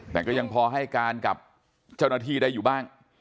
แต่ก็ยังพอให้การกับเจ้าหน้าที่ได้อยู่บ้าง